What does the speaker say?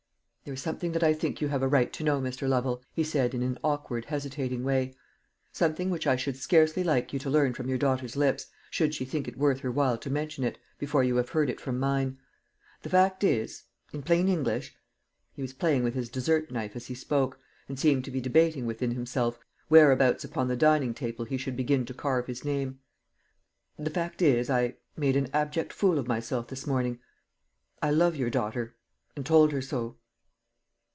"There is something that I think you have a right to know, Mr. Lovel," he said, in an awkward hesitating way; "something which I should scarcely like you to learn from your daughter's lips, should she think it worth her while to mention it, before you have heard it from mine. The fact is, in plain English" he was playing with his dessert knife as he spoke, and seemed to be debating within himself whereabouts upon the dinning table he should begin to carve his name "the fact is, I made an abject fool of myself this morning. I love your daughter and told her so."